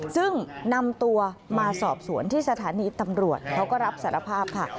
ซึ่งนำตัวมาสอบสวนที่สถานีตำรวจเขาก็รับสารภาพค่ะ